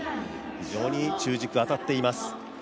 非常に中軸、当たっています。